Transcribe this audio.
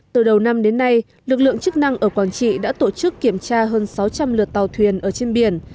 từ đầu năm đến nay lực lượng chức năng ở quảng trị đã tổ chức kiểm tra hơn sáu trăm linh lượt tàu thuyền ở trên biển